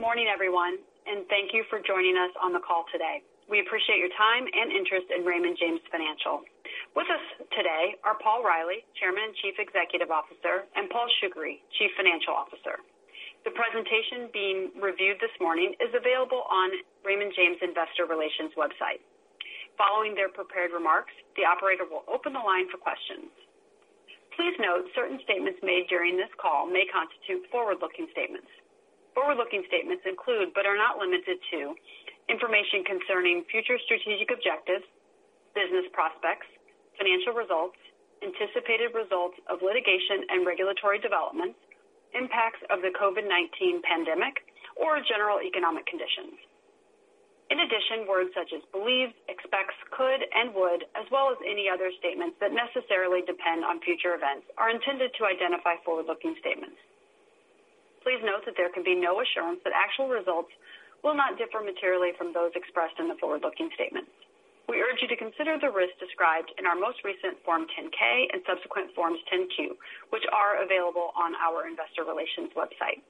Good morning, everyone, and thank you for joining us on the call today. We appreciate your time and interest in Raymond James Financial. With us today are Paul Reilly, Chairman and Chief Executive Officer, and Paul Shoukry, Chief Financial Officer. The presentation being reviewed this morning is available on Raymond James Investor Relations' website. Following their prepared remarks, the operator will open the line for questions. Please note certain statements made during this call may constitute forward-looking statements. Forward-looking statements include, but are not limited to, information concerning future strategic objectives, business prospects, financial results, anticipated results of litigation and regulatory developments, impacts of the COVID-19 pandemic, or general economic conditions. In addition, words such as believes, expects, could, and would, as well as any other statements that necessarily depend on future events, are intended to identify forward-looking statements. Please note that there can be no assurance that actual results will not differ materially from those expressed in the forward-looking statements. We urge you to consider the risks described in our most recent Form 10-K and subsequent Forms 10-Q, which are available on our Investor Relations' website.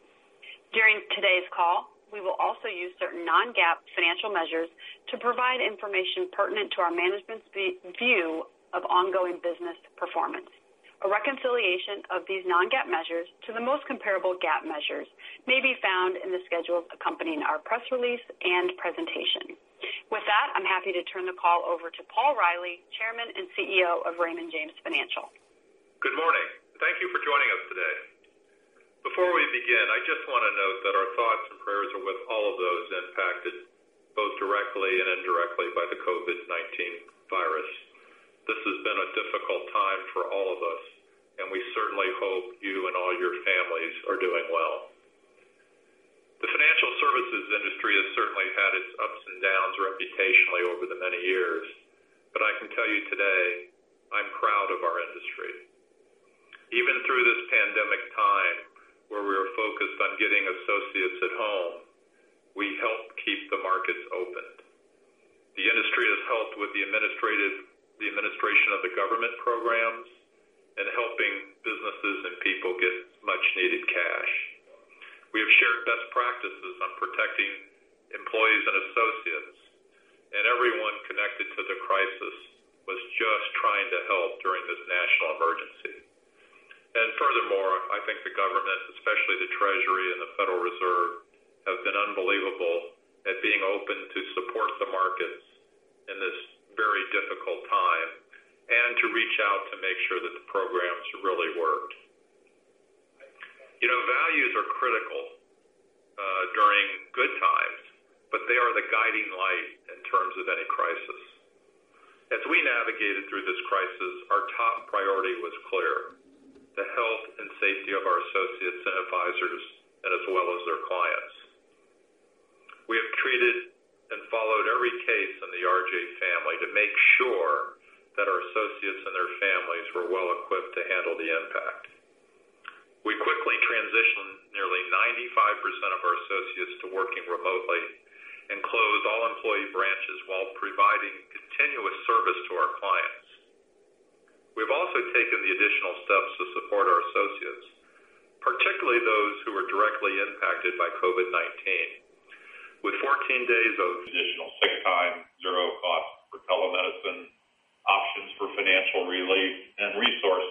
During today's call, we will also use certain non-GAAP financial measures to provide information pertinent to our management's view of ongoing business performance. A reconciliation of these non-GAAP measures to the most comparable GAAP measures may be found in the schedule accompanying our press release and presentation. With that, I'm happy to turn the call over to Paul Reilly, Chairman and CEO of Raymond James Financial. Good morning. Thank you for joining us today. Before we begin, I just want to note that our thoughts and prayers are with all of those impacted, both directly and indirectly, by the COVID-19 virus. This has been a difficult time for all of us, and we certainly hope you and all your families are doing well. The financial services industry has certainly had its ups and downs reputationally over the many years, but I can tell you today I'm proud of our industry. Even through this pandemic time, where we are focused on getting associates at home, we help keep the markets open. The industry has helped with the administration of the government programs and helping businesses and people get much-needed cash. We have shared best practices on protecting employees and associates, and everyone connected to the crisis was just trying to help during this national emergency. Furthermore, I think the government, especially the Treasury and the Federal Reserve, have been unbelievable at being open to support the markets in this very difficult time and to reach out to make sure that the programs really worked. Values are critical during good times, but they are the guiding light in terms of any crisis. As we navigated through this crisis, our top priority was clear: the health and safety of our associates and advisors, as well as their clients. We have treated and followed every case in the RJ family to make sure that our associates and their families were well-equipped to handle the impact. We quickly transitioned nearly 95% of our associates to working remotely and closed all employee branches while providing continuous service to our clients. We have also taken the additional steps to support our associates, particularly those who are directly impacted by COVID-19, with 14 days of additional sick time, zero-cost for telemedicine, options for financial relief, and resources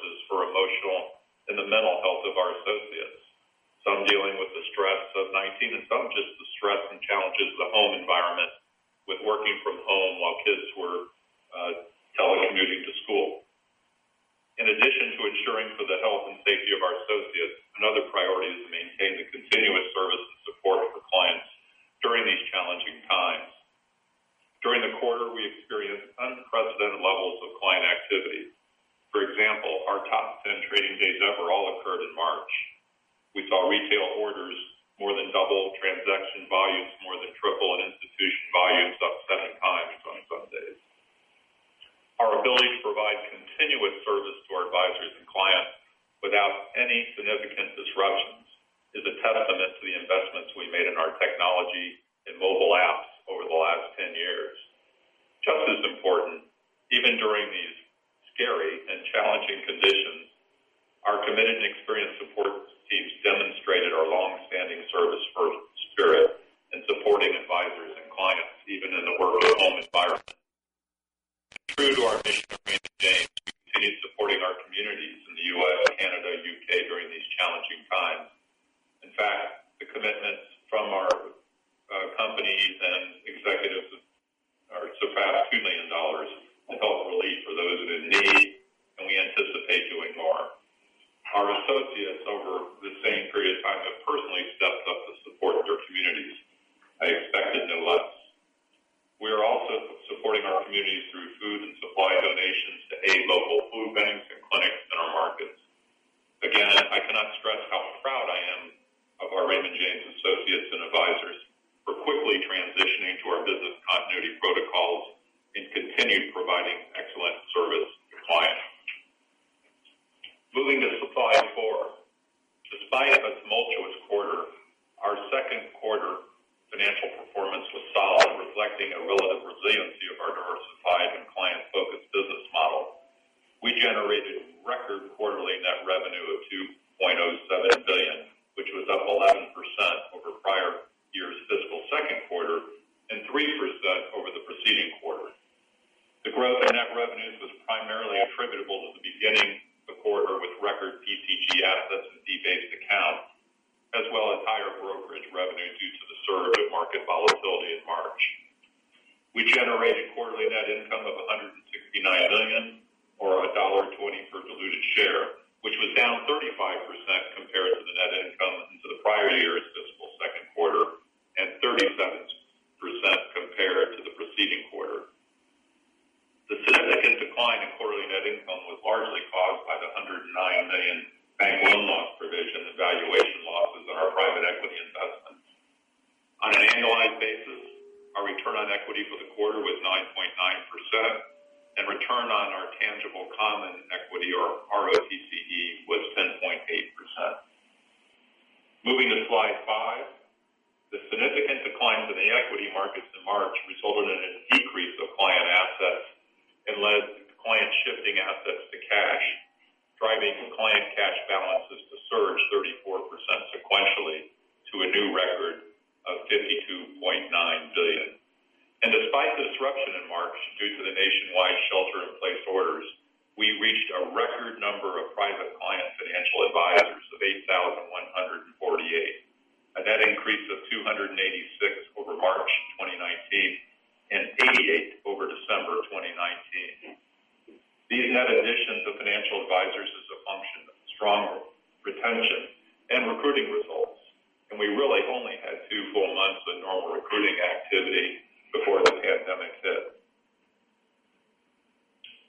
and we really only had two full months of normal recruiting activity before the pandemic hit.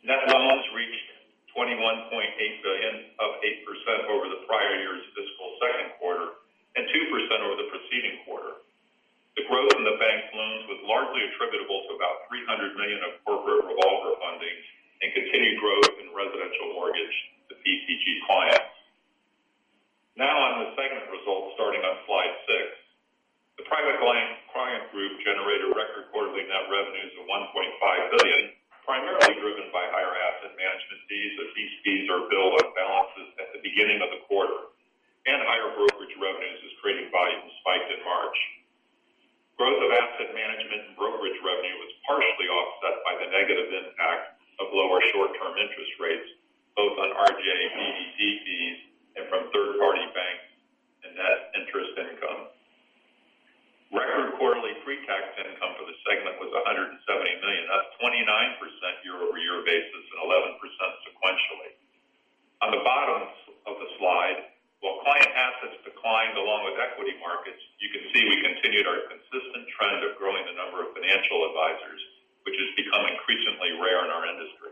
Net loans reached $21.8 billion, up 8% over the prior year's fiscal second quarter and 2% over the preceding quarter. The growth in the bank loans was largely attributable to about $300 million of corporate revolver funding and continued growth in residential mortgage to PCG clients. Now, on the segment results starting on slide six, the Private Client Group generated record quarterly net revenues of $1.5 billion, primarily driven by higher asset management fees as these fees are billed on balances at the beginning of the quarter, and higher brokerage revenues as trading volumes spiked in March. Growth of asset management and brokerage revenue was partially offset by the negative impact of lower short-term interest rates, both on RJ BDP fees and from third-party banks and net interest income. Record quarterly pre-tax income for the segment was $170 million, up 29% year-over-year basis and 11% sequentially. On the bottom of the slide, while client assets declined along with equity markets, you can see we continued our consistent trend of growing the number of financial advisors, which has become increasingly rare in our industry.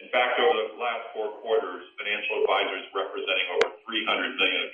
In fact, over the last four quarters, financial advisors representing over $300 million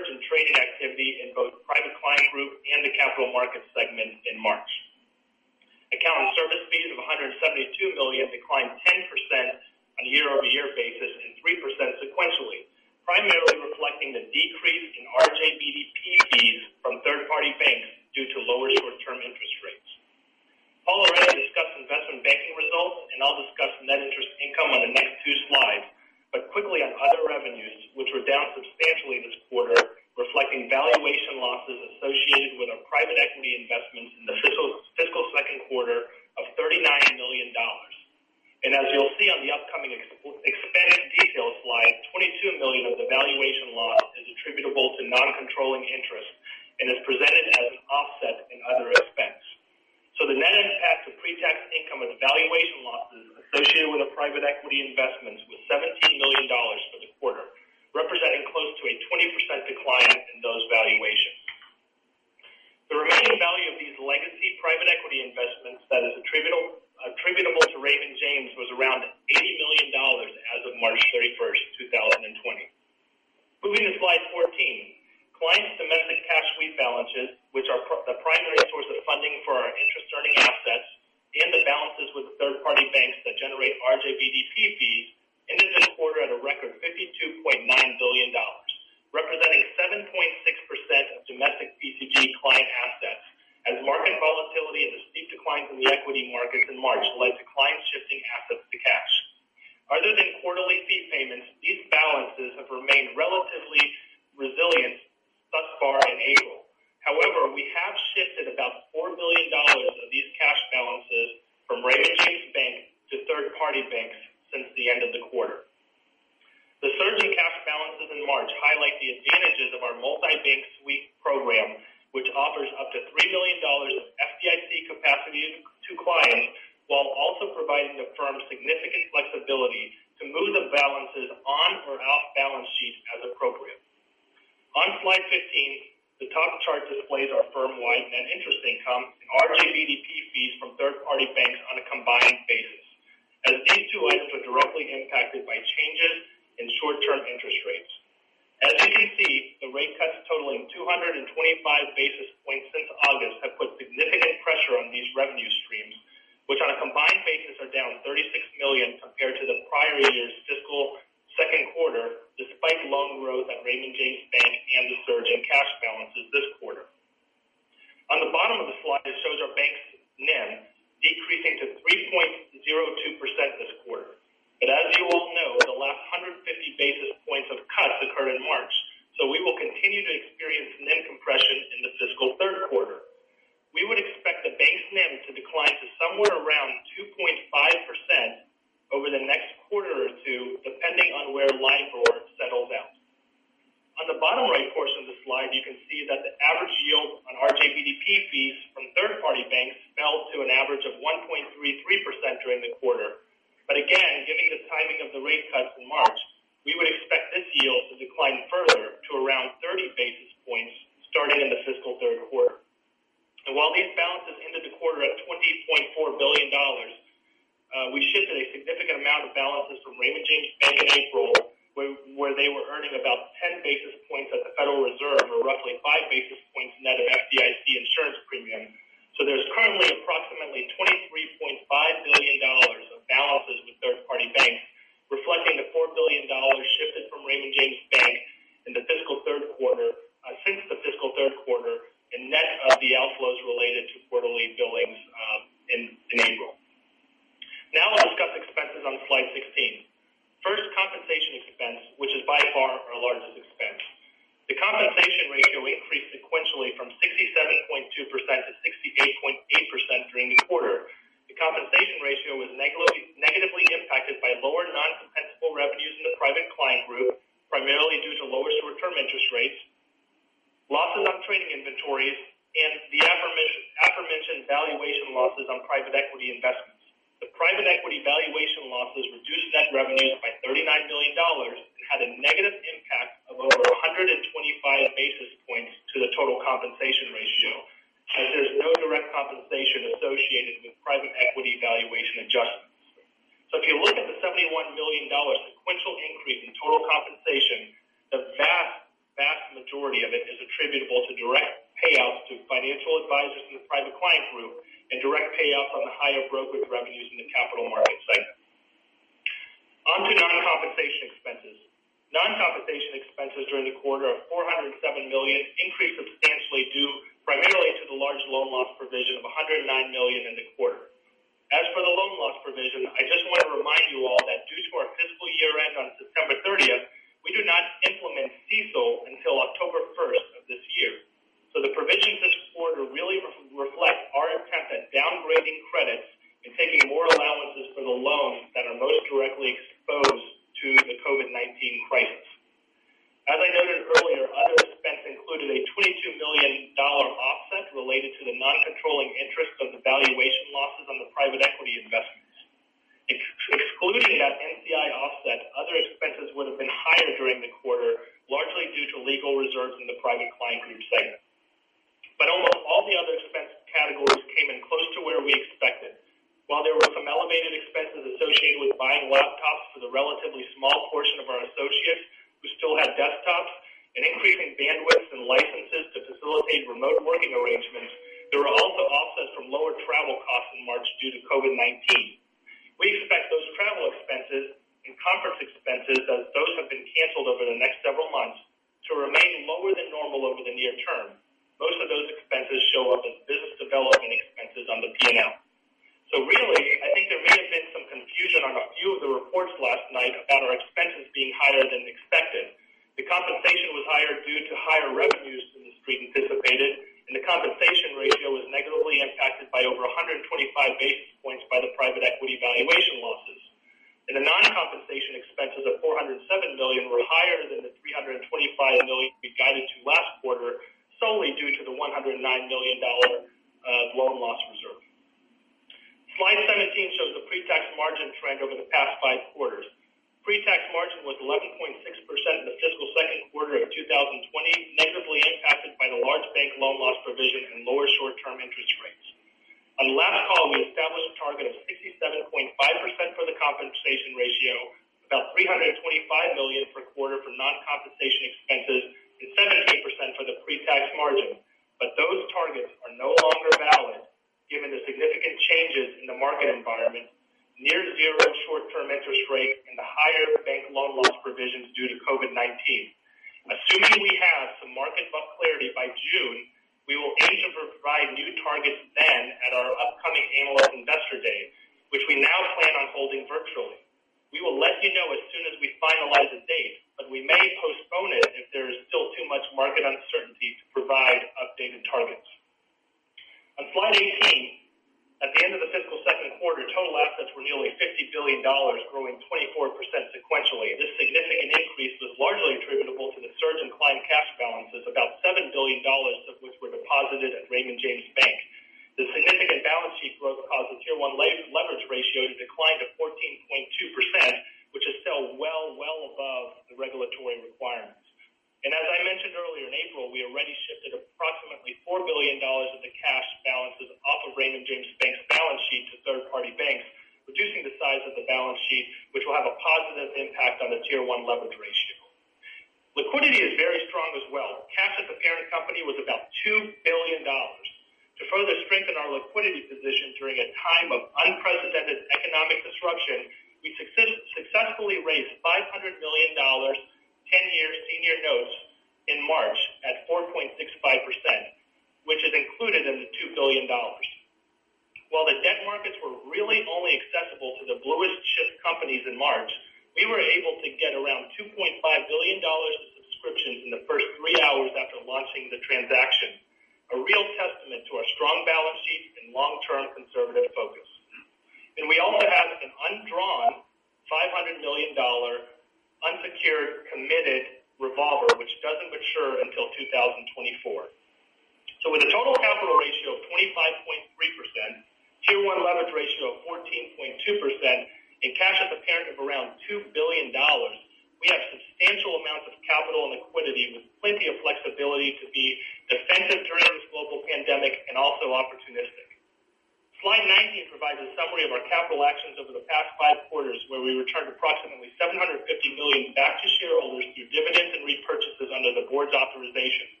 Slide 19 provides a summary of our capital actions over the past five quarters, where we returned approximately $750 million back to shareholders through dividends and repurchases under the board's authorization.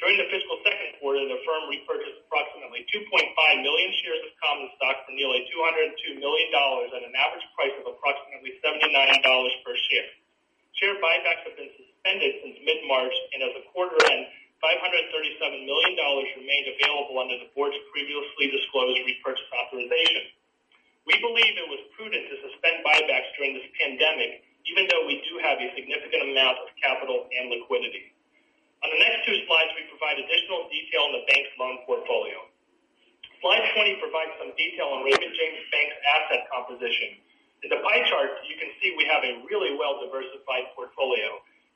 During the fiscal second quarter, the firm repurchased approximately 2.5 million shares of common stock for nearly $202 million at an average price of approximately $79 per share. Share buybacks have been suspended since mid-March, and as the quarter end, $537 million remained available under the board's previously disclosed repurchase authorization. We believe it was prudent to suspend buybacks during this pandemic, even though we do have a significant amount of capital and liquidity. On the next two slides, we provide additional detail on the bank's loan portfolio. Slide 20 provides some detail on Raymond James Bank's asset composition. In the pie chart, you can see we have a really well-diversified portfolio,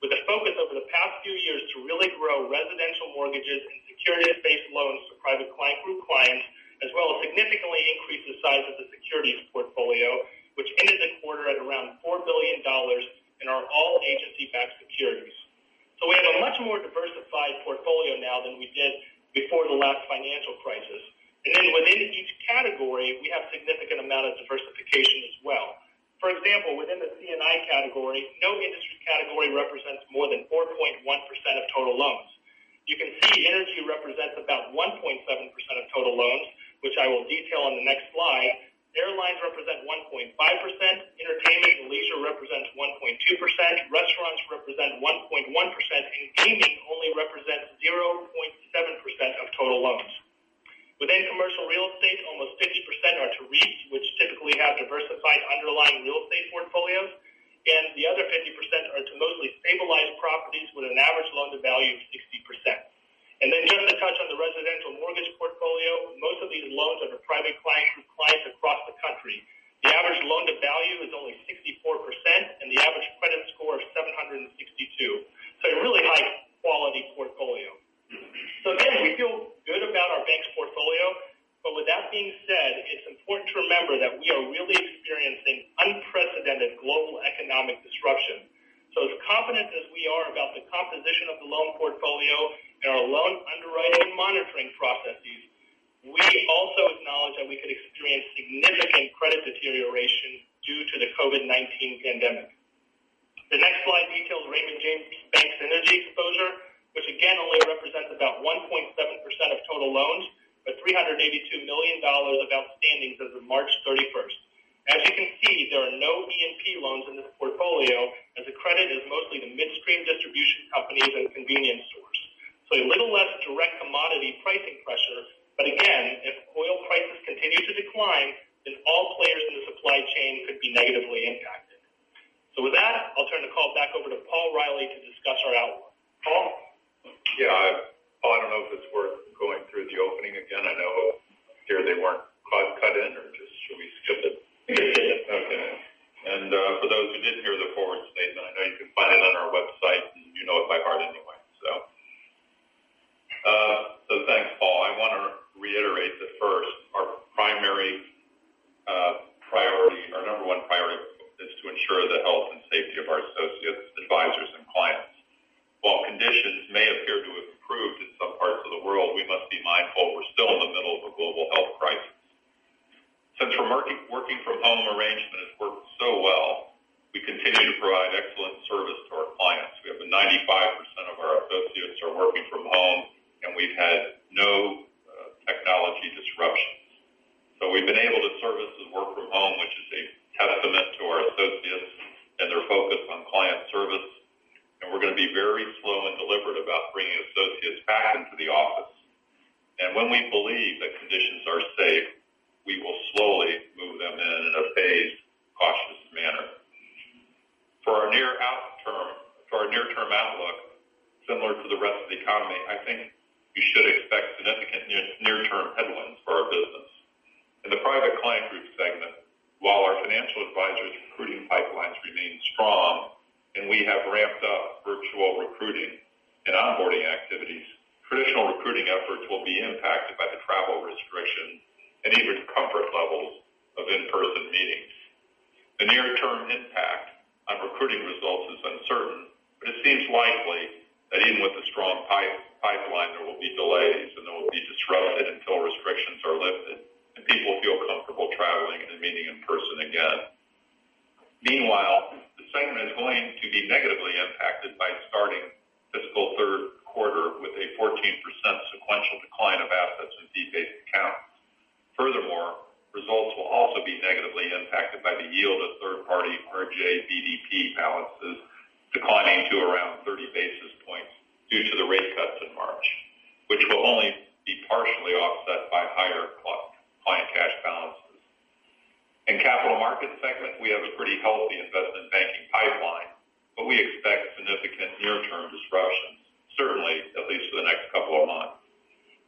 with a focus over the past few years to really grow residential mortgages and securities-based loans for private client group clients, as well as significantly increase the size of the securities portfolio, which ended the quarter at around $4 billion and are all agency-backed securities. So we have a much more diversified portfolio now than we did before the last financial crisis, and then within each category, we have a significant amount of diversification as well. For example, within the C&I category, no industry category represents more than 4.1% of total loans. You can see energy represents about 1.7% of total loans, which I will detail on the next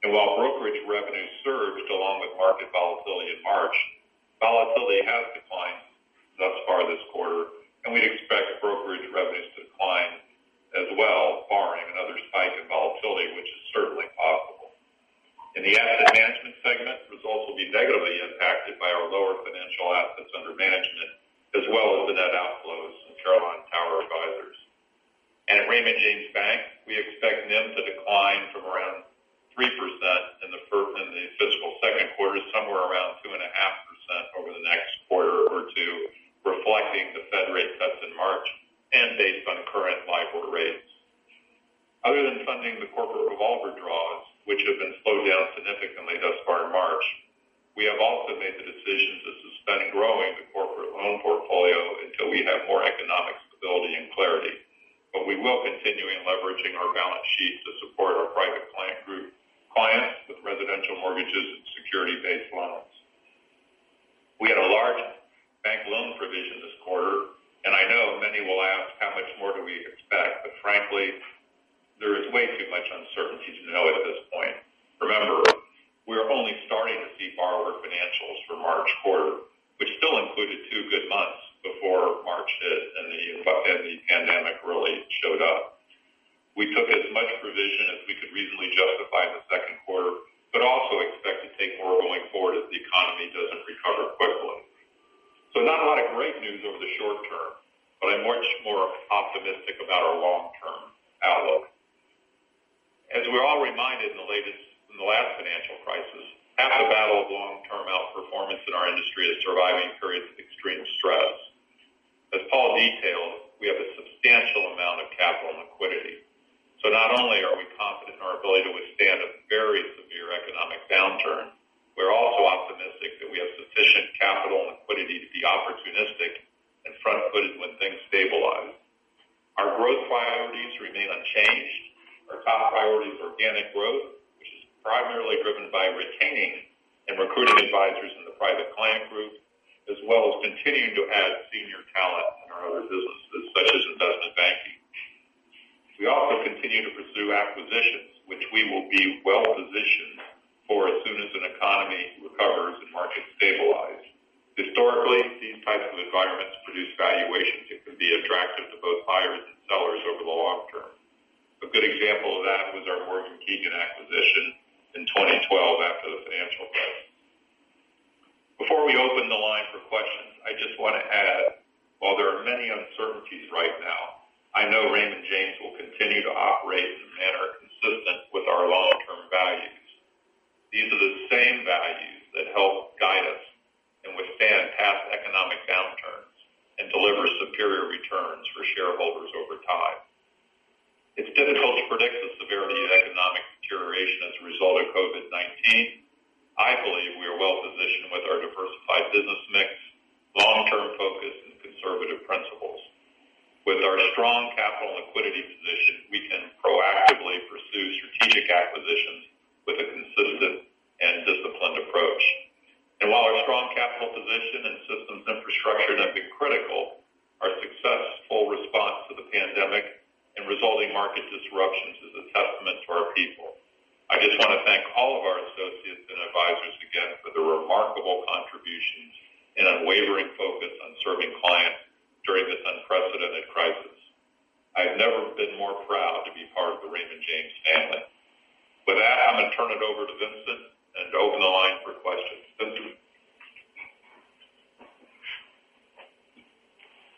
While brokerage revenues surged along with market volatility in March, volatility has declined thus far this quarter, and we'd expect brokerage revenues to decline as well, barring another spike in volatility, which is certainly possible. In the asset management segment, results will be negatively impacted by our lower financial assets under management, as well as the net outflows from Carillon Tower Advisers. At Raymond James Bank, we expect them to decline from around 3% in the fiscal second quarter to somewhere around 2.5% over the next quarter or two, reflecting the Fed rate cuts in March and based on current LIBOR rates. Other than funding the corporate revolver draws, which have been slowed down significantly thus far in March, we have also made the decision to suspend growing the corporate loan portfolio until we have more economic stability and clarity. But we will continue in leveraging our balance sheet to support our Private Client Group clients with residential mortgages and security-based loans. We had a large bank loan provision this quarter, and I know many will ask how much more do we expect, but frankly, there is way too much uncertainty to know at this point. Remember, we are only starting to see borrower financials for March quarter, which still included two good months before March hit and the pandemic really showed up. We took as much provision as we could reasonably justify in the I just want to thank all of our associates and advisors again for their remarkable contributions and unwavering focus on serving clients during this unprecedented crisis. I have never been more proud to be part of the Raymond James family. With that, I'm going to turn it over to Vincent and open the line for questions. Vincent.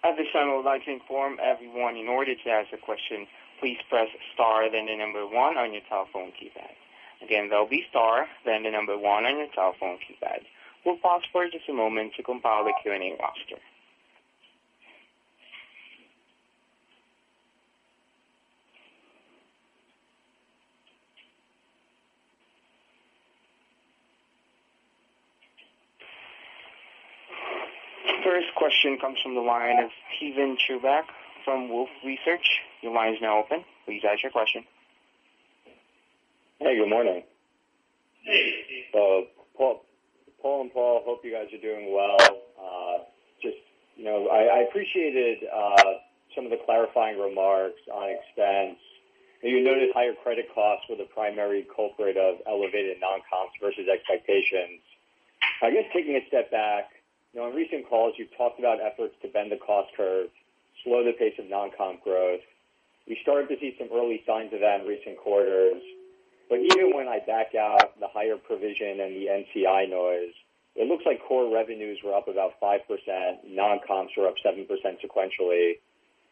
At this time, I would like to inform everyone in order to ask a question, please press star, then the number one on your telephone keypad. Again, that will be star, then the number one on your telephone keypad. We'll pause for just a moment to compile the Q&A roster. First question comes from the line of Steven Chubak from Wolfe Research. Your line is now open. Please ask your question. Hey, good morning. Hey, Steve. Paul and Paul, hope you guys are doing well. Just, I appreciated some of the clarifying remarks on expense. You noted higher credit costs were the primary culprit of elevated non-comp versus expectations. I guess, taking a step back, on recent calls, you've talked about efforts to bend the cost curve, slow the pace of non-comp growth. We started to see some early signs of that in recent quarters. But even when I back out the higher provision and the NCI noise, it looks like core revenues were up about 5%. Non-comps were up 7% sequentially.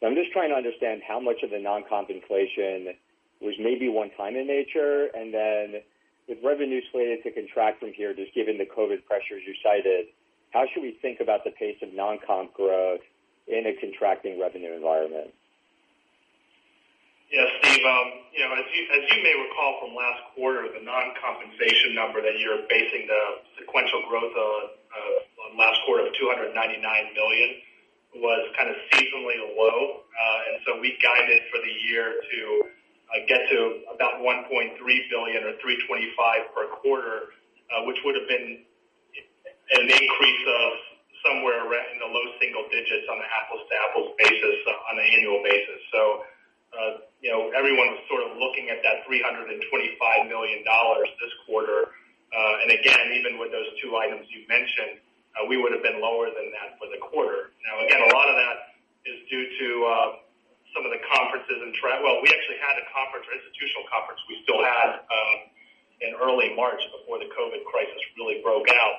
I'm just trying to understand how much of the non-comp inflation was maybe one-time in nature. Then with revenues slated to contract from here, just given the COVID pressures you cited, how should we think about the pace of non-comp growth in a contracting revenue environment? Yeah, Steve, as you may recall from last quarter, the non-compensation number that you're basing the sequential growth on last quarter of $299 million was kind of seasonally low. And so we guided for the year to get to about $1.3 billion or $325 million per quarter, which would have been an increase of somewhere in the low single digits on an apples-to-apples basis on an annual basis. So everyone was sort of looking at that $325 million this quarter. And again, even with those two items you mentioned, we would have been lower than that for the quarter. Now, again, a lot of that is due to some of the conferences and travel. We actually had a conference, an institutional conference we still had in early March before the COVID crisis really broke out.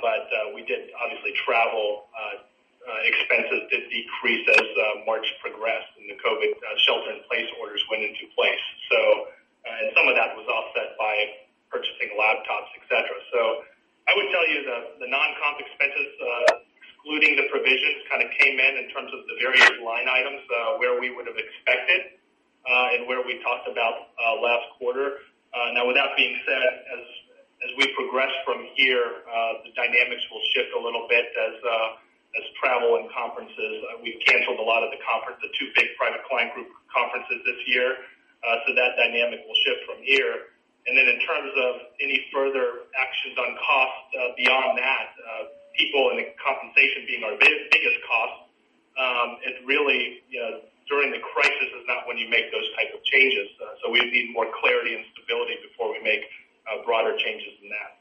But we did obviously travel. Expenses did decrease as March progressed and the COVID shelter-in-place orders went into place. And some of that was offset by purchasing laptops, etc. So I would tell you the non-comp expenses, excluding the provisions, kind of came in terms of the various line items where we would have expected and where we talked about last quarter. Now, with that being said, as we progress from here, the dynamics will shift a little bit as travel and conferences. We've canceled a lot of the two big Private Client Group conferences this year. So that dynamic will shift from here. And then in terms of any further actions on cost beyond that, people and compensation being our biggest cost, it really during the crisis is not when you make those type of changes. So we need more clarity and stability before we make broader changes than that.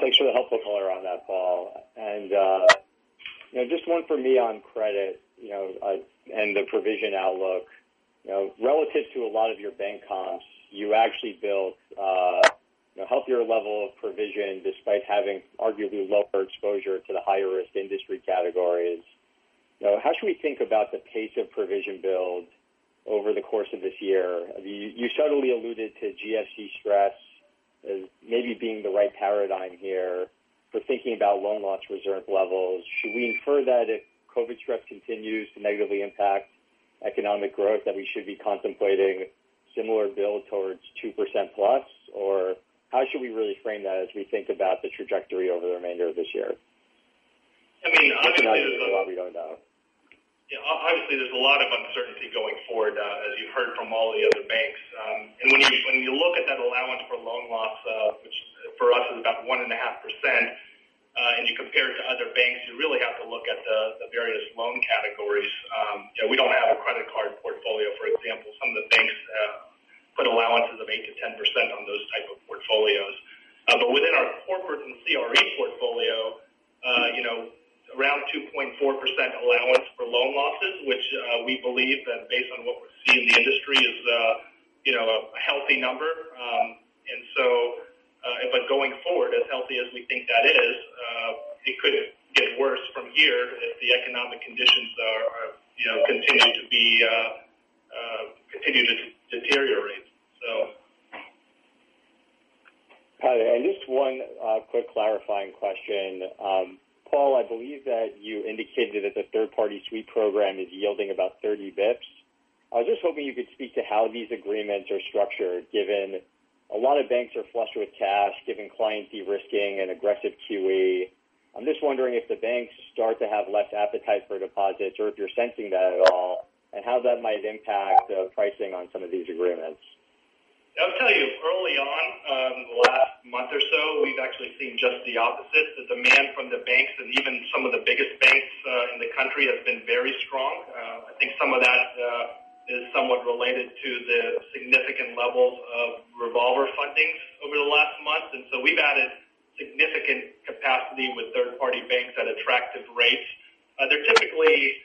Thanks for the helpful color on that, Paul. And just one for me on credit and the provision outlook. Relative to a lot of your bank comps, you actually built a healthier level of provision despite having arguably lower exposure to the higher-risk industry categories. How should we think about the pace of provision build over the course of this year? You subtly alluded to GFC stress as maybe being the right paradigm here for thinking about loan loss reserve levels. Should we infer that if COVID stress continues to negatively impact economic growth, that we should be contemplating similar build towards 2% plus? Or how should we really frame that as we think about the trajectory over the remainder of this year? I mean, obviously there's a lot we don't know. Yeah, obviously there's a lot of uncertainty going forward, as you've heard from all the other banks. And when you look at that allowance for loan losses, which for us is about 1.5%, and you compare it to other banks, you really have to look at the various loan categories. We don't have a credit card portfolio, for example. Some of the banks put allowances of 8%-10% on those type of portfolios. But within our corporate and CRE portfolio, around 2.4% allowance for loan losses, which we believe that based on what we're seeing in the industry is a healthy number. And so going forward, as healthy as we think that is, it could get worse from here if the economic conditions continue to deteriorate. So. And just one quick clarifying question. Paul, I believe that you indicated that the third-party sweep program is yielding about 30 basis points. I was just hoping you could speak to how these agreements are structured, given a lot of banks are flushed with cash, given client derisking and aggressive QE. I'm just wondering if the banks start to have less appetite for deposits or if you're sensing that at all, and how that might impact pricing on some of these agreements. I'll tell you, early on, the last month or so, we've actually seen just the opposite. The demand from the banks and even some of the biggest banks in the country has been very strong. I think some of that is somewhat related to the significant levels of revolver fundings over the last month. And so we've added significant capacity with third-party banks at attractive rates. They're typically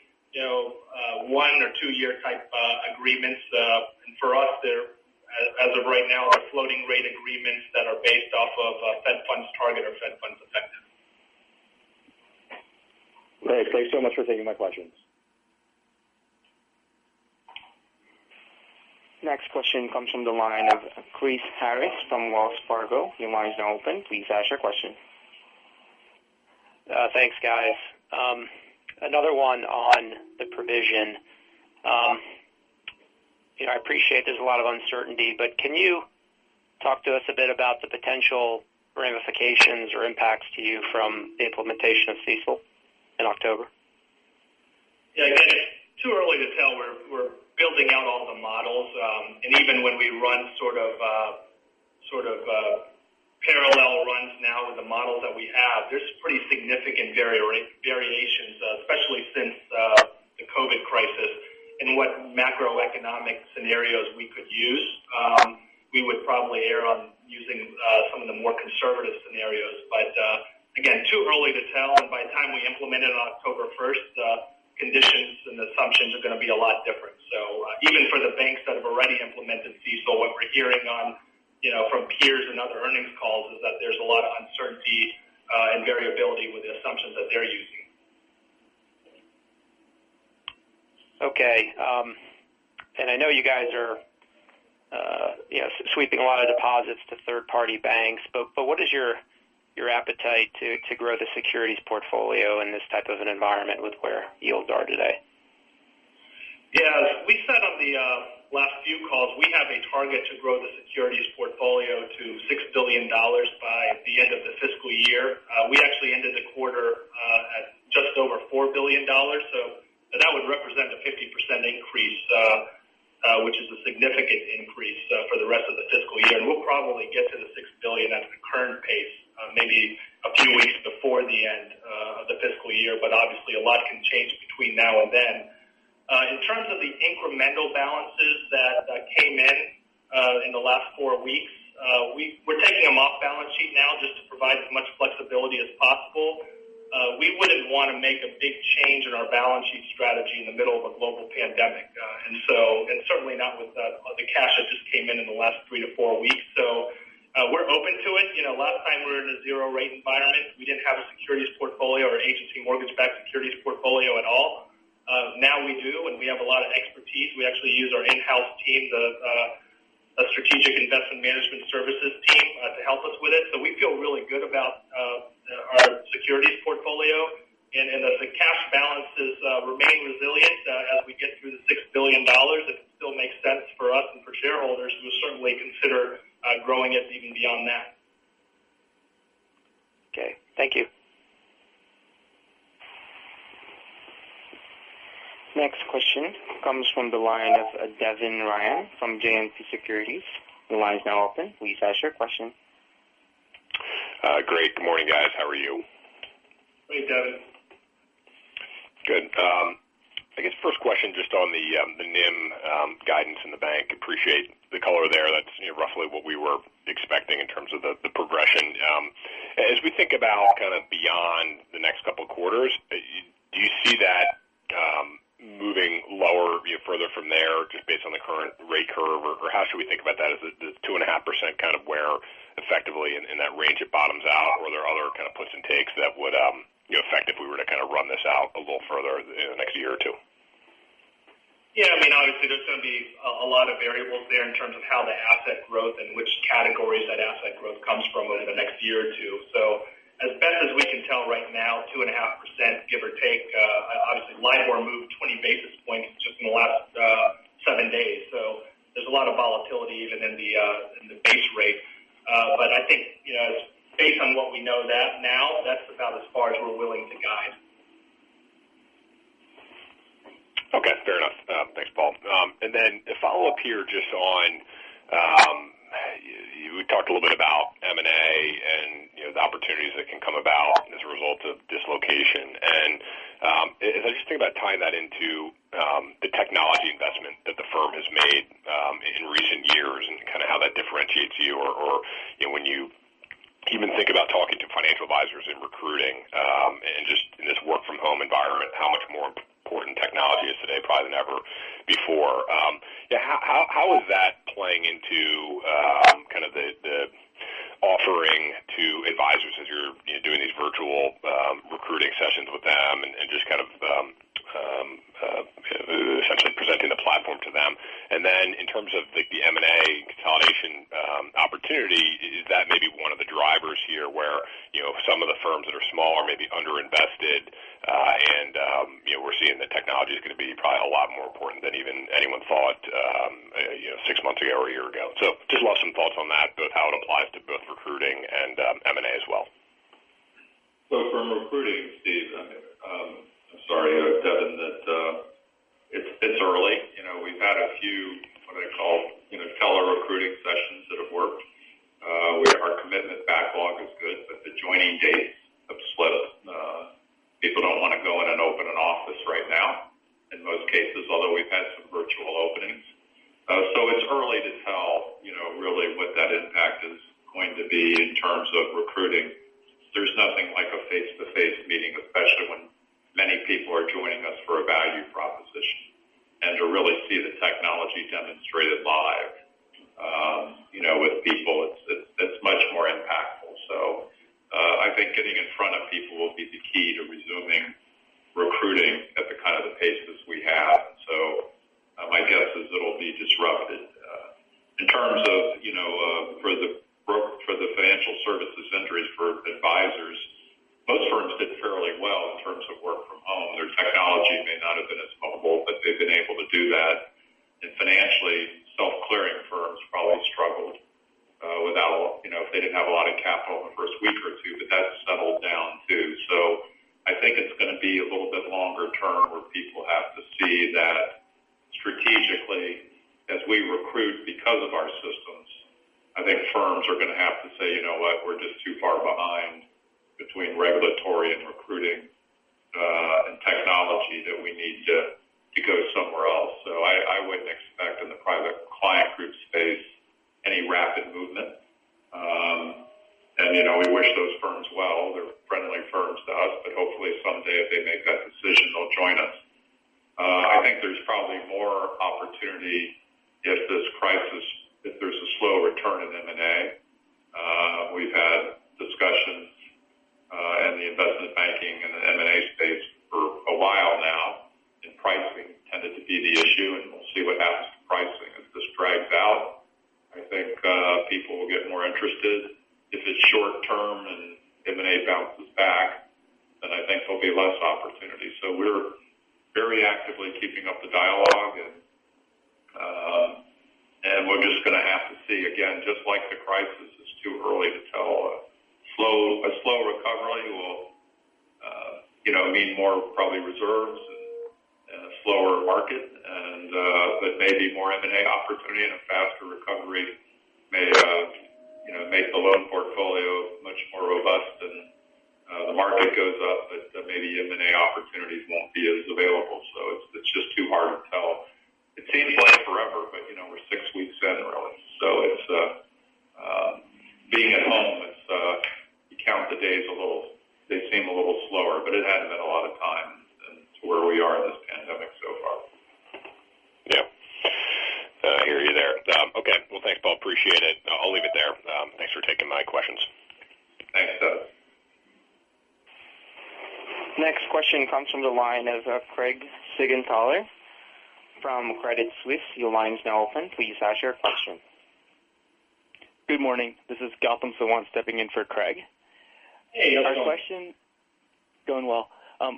one or two-year type agreements. And for us, as of right now, they're floating-rate agreements that are based off of Fed Funds Target or Fed Funds Effective. Great. Thanks so much for taking my questions. Next question comes from the line of Chris Harris from Wells Fargo. Your line is now open. Please ask your question. Thanks, guys. Another one on the provision. I appreciate there's a lot of uncertainty, but can you talk to us a bit about the potential ramifications or impacts to you from the implementation of CECL in October? Yeah, again, it's too early to tell. We're building out all the models. And even when we run sort of parallel runs now with the models that we have, there's pretty significant variations, especially since the COVID-19 crisis and what macroeconomic scenarios we could use. We would probably err on using some of the more conservative scenarios. But again, too early to tell. And by the time we implement it on October 1st, the conditions and assumptions are going to be a lot different. So even for the banks that have already implemented CECL, what we're hearing from peers and other earnings calls is that there's a lot of uncertainty and variability with the assumptions that they're using. Okay. I know you guys are sweeping a lot of deposits to third-party banks, but what is your appetite to grow the securities portfolio in this type of an environment with where yields are today? Yeah, as we said on the last few calls, we have a target to grow the securities portfolio to $6 billion by the end of the fiscal year. We actually ended the quarter at just over $4 billion. So that would represent a 50% increase, which is a significant increase for the rest of the fiscal year. And we'll probably get to the $6 billion at the current pace, maybe a few weeks before the end of the fiscal year. But obviously, a lot can change between now and then. In terms of the incremental balances that came in in the last four weeks, we're taking a mock balance sheet now just to provide as much flexibility as possible. We wouldn't want to make a big change in our balance sheet strategy in the middle of a global pandemic, and certainly not with the cash that just came in in the last three to four weeks, so we're open to it. Last time we were in a zero-rate environment, we didn't have a securities portfolio or an agency mortgage-backed securities portfolio at all. Now we do, and we have a lot of expertise. We actually use our in-house team, the Strategic Investment Management Services team, to help us with it, so we feel really good about our securities portfolio. And as the cash balances remain resilient as we get through the $6 billion, if it still makes sense for us and for shareholders, we'll certainly consider growing it even beyond that. Okay. Thank you. Next question comes from the line of Devin Ryan from JMP Securities. The line is now open. Please ask your question. Great. Good morning, guys. How are you? Hey, Devin. Good. I guess first question just on the NIM guidance in the bank. Appreciate the color there. That's roughly what we were expecting in terms of the progression. As we think about kind of beyond the next couple of quarters, do you see that moving lower further from there just based on the current rate curve? Or how should we think about that? Is the 2.5% kind of where effectively in that range it bottoms out, or are there other kind of puts and takes that would affect if we were to kind of run this out a little further in the next year or two? Yeah, I mean, obviously, there's going to be a lot of variables there in terms of how the asset growth and which categories that asset growth comes from over the next year or two. So as best as we can tell right now, 2.5%, give or take, obviously, LIBOR moved 20 basis points just in the last seven days. So there's a lot of volatility even in the base rate. But I think based on what we know now, that's about as far as we're willing to guide. Okay. Fair enough. Thanks, Paul. And then a follow-up here just on we talked a little bit about M&A and the opportunities that can come about as a result of dislocation. And as I just think about tying that into the technology investment that the firm has made in recent years and kind of how that differentiates you or when you even think about talking to financial advisors and recruiting and just in this work-from-home environment, how much more important technology is today probably than ever before. How is that playing into kind of the offering to advisors as you're doing these virtual recruiting sessions with them and just kind of essentially presenting the platform to them? And then in terms of the M&A consolidation opportunity, is that maybe one of the drivers here where some of the firms that are smaller may be underinvested and we're seeing that technology is going to be probably a lot more important than even anyone thought six months ago or a year ago? So just lots of thoughts on that, both how it applies to both recruiting and M&A as well. So from recruiting, Steve, I'm sorry, Devin, that it's early. We've had a few, what I call, tele-recruiting sessions that have worked. Our commitment backlog is good, but the joining dates have slipped. People don't want to go in and open an office right now in most cases, although we've had some virtual openings. So it's early to tell really what that impact is going to be in terms of recruiting. There's nothing like a face-to-face meeting, especially when many people are joining us for a value proposition, and to really see the technology demonstrated live with people, it's much more impactful, so I think getting in front of people It seems like forever, but we're six weeks in, really. So being at home, you count the days a little, they seem a little slower, but it hadn't been a lot of time to where we are in this pandemic so far. Yeah. I hear you there. Okay. Well, thanks, Paul. Appreciate it. I'll leave it there. Thanks for taking my questions. Thanks, Doug. Next question comes from the line of Craig Siegenthaler from Credit Suisse. Your line is now open. Please ask your question. Good morning. This is Gautam Sawant stepping in for Craig. Hey, no problem. Our question is: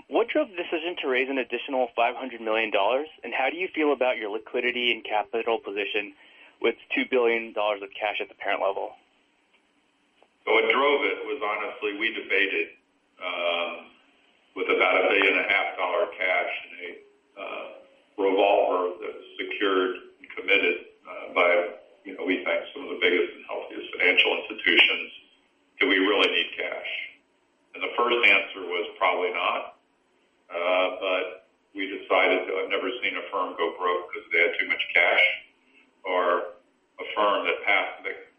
What drove the decision to raise an additional $500 million? And how do you feel about your liquidity and capital position with $2 billion of cash at the parent level? What drove it was, honestly, we debated with about $1.5 billion cash and a revolver that was secured and committed by, we think, some of the biggest and healthiest financial institutions. Do we really need cash? And the first answer was probably not, but we decided to. I've never seen a firm go broke because they had too much cash or a firm that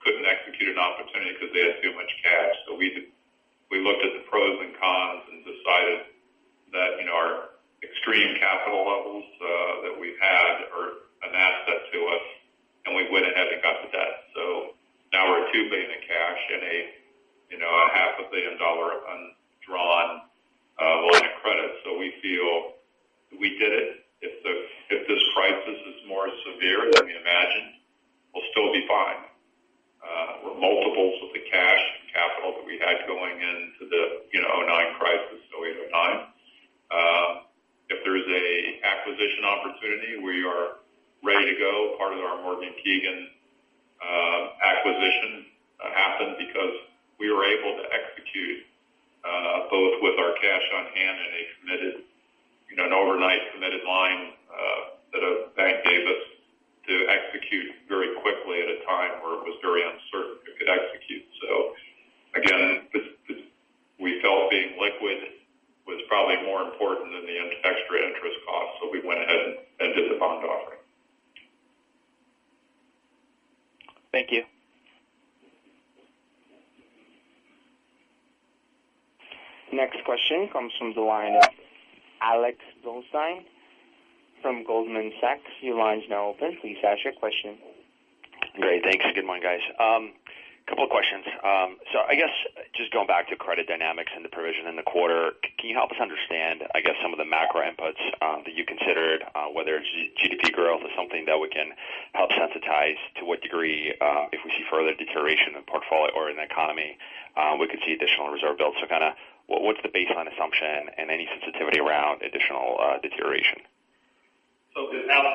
couldn't execute an opportunity because they had too much cash. So we looked at the pros and cons and decided that our extreme capital levels that we've had are an asset to us, and we went ahead and got the debt. So now we're a $2 billion of cash and a $500 million undrawn line of credit. So we feel we did it. If this crisis is more severe than we imagined, we'll still be fine. We're multiples of the cash and capital that we had going into the 2009 crisis, 2008, 2009. If there's an acquisition opportunity, we are ready to go. Part of our Morgan Keegan acquisition happened because we were able to execute both with our cash on hand and an overnight committed line that a bank gave us to execute very quickly at a time where it was very uncertain if it could execute. So again, we felt being liquid was probably more important than the extra interest cost. So we went ahead and did the bond offering. Thank you. Next question comes from the line of Alex Goldstein from Goldman Sachs. Your line is now open. Please ask your question. Great. Thanks. Good morning, guys. A couple of questions. So I guess just going back to credit dynamics and the provision in the quarter, can you help us understand, I guess, some of the macro inputs that you considered, whether it's GDP growth or something that we can help sensitize to what degree if we see further deterioration in the portfolio or in the economy, we could see additional reserve builds? So kind of what's the baseline assumption and any sensitivity around additional deterioration? So Alex,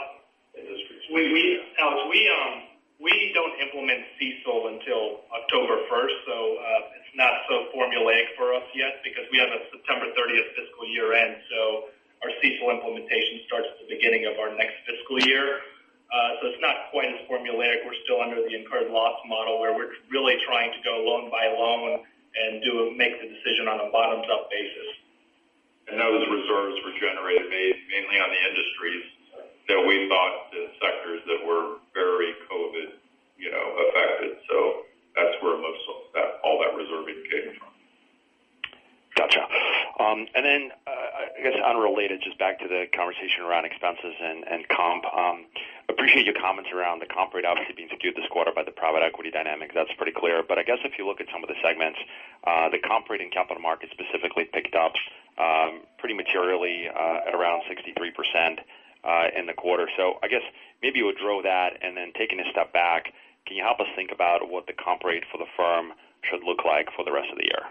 we don't implement CECL until October 1st. It's not so formulaic for us yet because we have a September 30th fiscal year end. Our CECL implementation starts at the beginning of our next fiscal year. It's not quite as formulaic. We're still under the incurred loss model where we're really trying to go loan by loan and make the decision on a bottoms-up basis. Those reserves were generated mainly on the industries that we thought the sectors that were very COVID affected. That's where all that reserving came from. Gotcha. Then I guess unrelated, just back to the conversation around expenses and comp, I appreciate your comments around the comp rate, obviously being skewed this quarter by the private equity dynamic. That's pretty clear. If you look at some of the segments, the comp rate in capital markets specifically picked up pretty materially at around 63% in the quarter. So I guess maybe we'll draw that and then taking a step back, can you help us think about what the comp rate for the firm should look like for the rest of the year?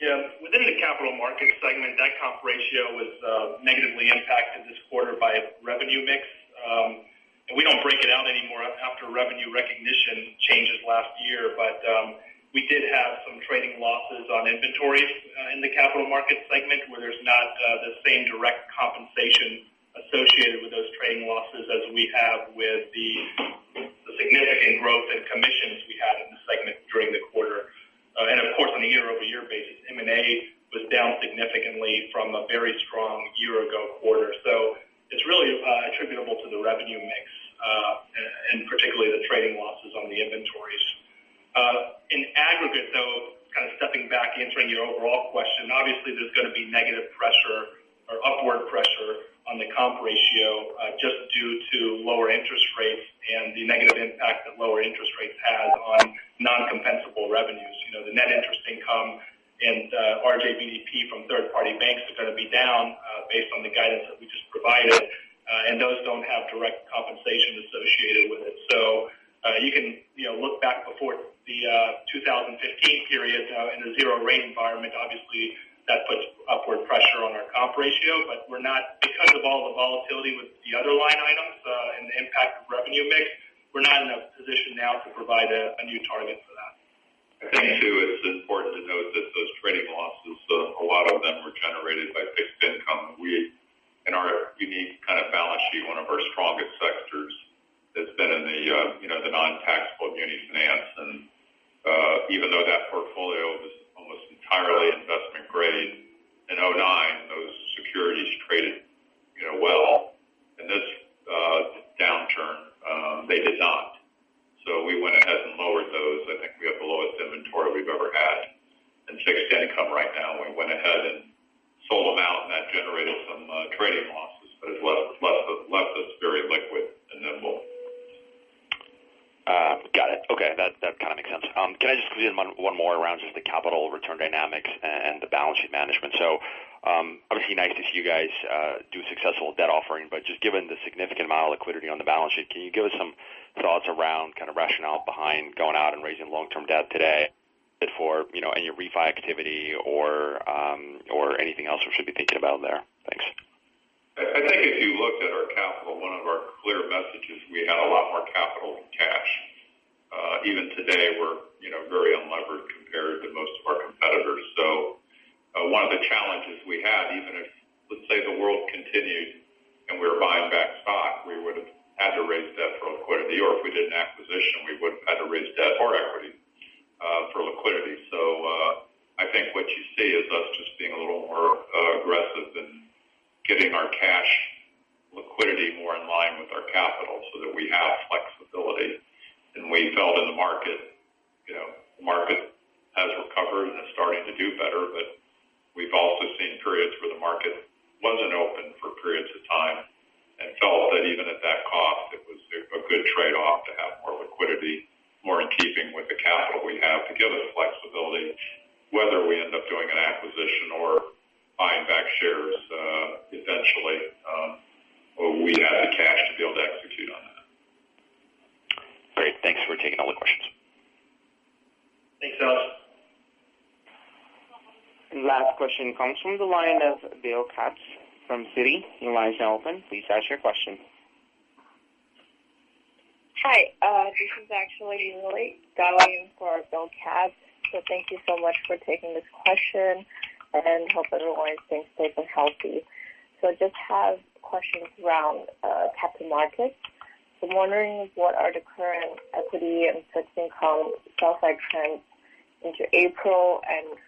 Yeah. Within the Capital Markets segment, that comp ratio was negatively impacted this quarter by revenue mix. And we don't break it out anymore after revenue recognition changes last year, but we did have some trading losses on inventories in the Capital Markets segment where there's not the same direct compensation associated with those trading losses as we have with the significant growth in commissions we had in the segment during the quarter. And of course, on a year-over-year basis, M&A was down significantly from a very strong year-ago quarter. So it's really attributable to the revenue mix and particularly the trading losses on the inventories. In aggregate, though, kind of stepping back, answering your overall question, obviously there's going to be negative pressure or upward pressure on the comp ratio just due to lower interest rates and the negative impact that lower interest rates have on non-compensable revenues. The net interest income and RJ BDP from third-party banks are going to be down based on the guidance that we just provided, and those don't have direct compensation associated with it. So you can look back before the 2015 period in a zero-rate environment. Obviously, that puts upward pressure on our comp ratio, but because of all the volatility with the other line items and the impact of revenue mix, we're not in a position now to provide a new target for that. I think, too, it's important to note that those trading losses, a lot of them were generated by fixed income. In our unique kind of balance sheet, one of our strongest sectors has been in the non-taxable muni finance. And even though that portfolio was almost entirely investment-grade in 2009, those securities traded well. In this downturn, they did not. So we went ahead and lowered those. I think we have the lowest inventory we've ever had in fixed income right now. We went ahead and sold them out, and that generated some trading losses, but it left us very liquid and nimble. Got it. Okay. That kind of makes sense. Can I just complete one more around just the capital return dynamics and the balance sheet management? So obviously, nice to see you guys do a successful debt offering, but just given the significant amount of liquidity on the balance sheet, can you give us some thoughts around kind of rationale behind going out and raising long-term debt today for any refi activity or anything else we should be thinking about there? Thanks. I think if you looked at our capital, one of our clear messages, we had a lot more capital than cash. Even today, we're very unlevered compared to most of our competitors. So one of the challenges we had, even if, let's say, the world continued and we were buying back stock, we would have had to raise debt for liquidity. Or if we did an acquisition, we would have had to raise debt or equity for liquidity. So I think what you see is us just being a little more aggressive in getting our cash liquidity more in line with our capital so that we have flexibility. And we felt in the market, the market has recovered and is starting to do better, but we've also seen periods where the market wasn't open for periods of time and felt that even at that cost, it was a good trade-off to have more liquidity, more in keeping with the capital we have to give us flexibility, whether we end up doing an acquisition or buying back shares eventually, or we have the cash to be able to execute on that. Great. Thanks for taking all the questions. Thanks, Alex. Last question comes from the line of Bill Katz from Citi. Your line is now open. Please ask your question. Hi. This is actually Lily, going for Bill Katz. So thank you so much for taking this question and hope everyone stays safe and healthy. So I just have questions around capital markets. I'm wondering what are the current equity and fixed income sell-side trends into April, and